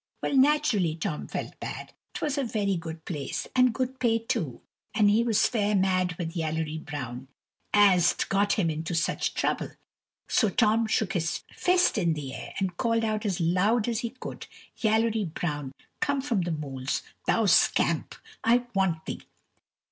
Well, naturally Tom felt bad; 't was a very good place, and good pay too; and he was fair mad with Yallery Brown, as 'd got him into such a trouble. So Tom shook his fist in the air and called out as loud as he could, "Yallery Brown, come from the mools; thou scamp, I want thee!"